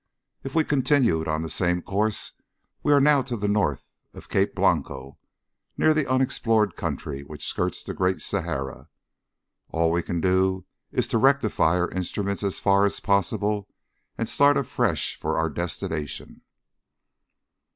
If we continued on the same course, we are now to the north of Cape Blanco, near the unexplored country which skirts the great Sahara. All we can do is to rectify our instruments as far as possible and start afresh for our destination.